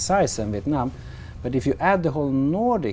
những gì tôi đã nói